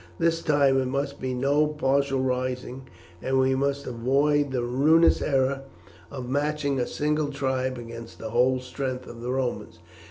This time it must be no partial rising, and we must avoid the ruinous error of matching a single tribe against the whole strength of the Romans.